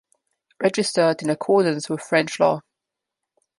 Registered in accordance with French Law.